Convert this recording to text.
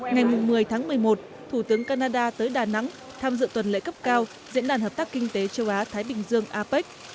ngày một mươi tháng một mươi một thủ tướng canada tới đà nẵng tham dự tuần lễ cấp cao diễn đàn hợp tác kinh tế châu á thái bình dương apec